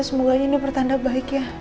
semoga ini pertanda baik ya